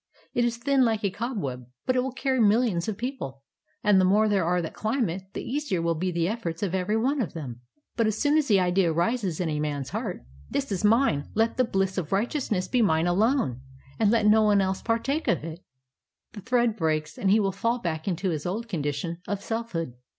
It is thin like a cobweb, but it will carry millions of people, and the more there are that climb it, the easier will be the efforts of every one of them. But as soon as the idea arises in a man's heart: 'This is mine; let the bliss of righteousness be mine alone, and let no one else partake of it,' the thread breaks and he will fall back into his old condition of selfhood.